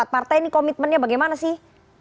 empat partai ini komitmennya bagaimana sih